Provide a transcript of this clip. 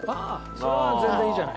それは全然いいじゃない。